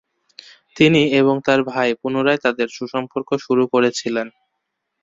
তিনি এবং তার ভাই পুনরায় তাদের সুসম্পর্ক শুরু করেছিলেন।